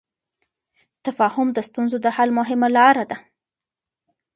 تفاهم د ستونزو د حل مهمه لار ده.